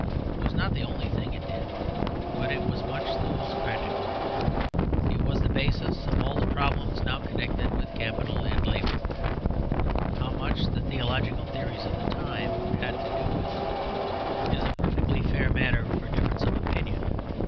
It was not the only thing it did, but it was much the most practical. It was the basis of all the problems now connected with Capital and Labour. How much the theological theories of the time had to do with it is a perfectly fair matter for difference of opinion.